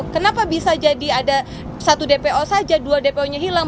kenapa bisa jadi ada satu dpo saja dua dpo nya hilang